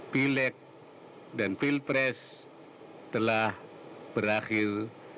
pileg dan pilpres telah berakhir